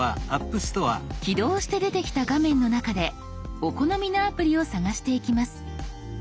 起動して出てきた画面の中でお好みのアプリを探していきます。